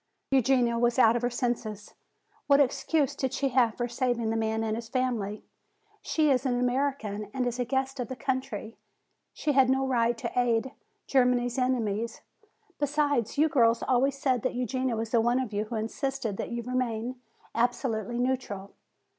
"Eugenia was out of her senses. What excuse did she have for saving the man and his family? She is an American and is a guest of the country. She had no right to aid Germany's enemies. Besides, you girls always said that Eugenia was the one of you who insisted that you remain absolutely neutral."